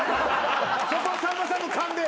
そこはさんまさんの勘で。